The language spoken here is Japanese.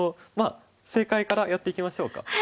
まあ正解からやっていきましょうか。